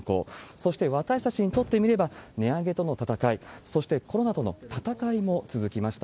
そして私たちにとってみれば、値上げとの戦い、そしてコロナとの闘いも続きました。